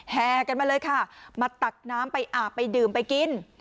แห่กันมาเลยค่ะมาตักน้ำไปอาบไปดื่มไปกิน